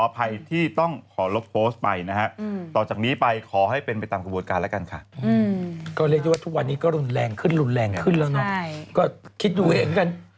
อภัยที่ต้องรับโปรดท์ไปนะฮะต่อจากนี้ไปขอให้เป็นไปตามกบวทการแล้วกันค่ะก็เรียกยกว่าวันนี้ก็รุนแรงขึ้นรุนแรงขึ้นแล้วนะก็คิดอยู่เองกัน